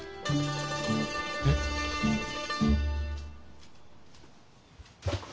えっ？